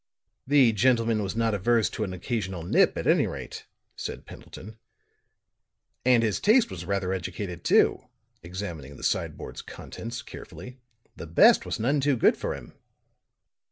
"The gentleman was not averse to an occasional nip, at any rate," said Pendleton. "And his taste was rather educated, too," examining the sideboard's contents carefully. "The best was none too good for him."